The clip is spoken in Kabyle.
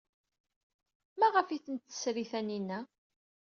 Maɣef ay tent-tesri Taninna?